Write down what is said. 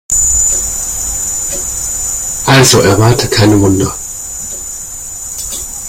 Also erwarte keine Wunder.